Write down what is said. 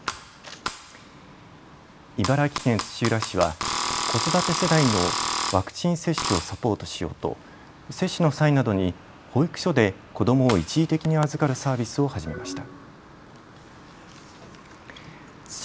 茨城県土浦市は子育て世代のワクチン接種をサポートしようと接種の際などに保育所で子どもを一時的に預かるサービスを始めました。